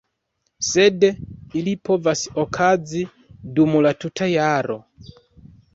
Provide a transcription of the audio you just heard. Sed ili povas okazi dum la tuta jaro.